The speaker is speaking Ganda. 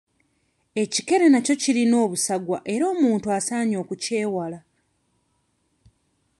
Ekikere nakyo kirina obusagwa era omuntu asaanye okukyewala.